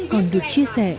còn được chia sẻ